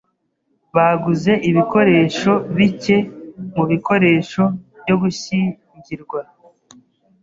Baguze ibikoresho bike mubikoresho byo gushyingirwa.